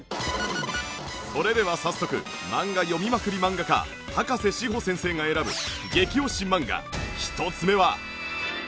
それでは早速漫画読みまくり漫画家高瀬志帆先生が選ぶ激推し漫画１つ目は。